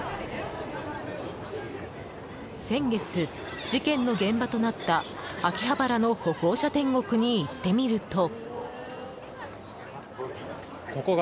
先月、事件の現場となった秋葉原の歩行者天国に行ってみると。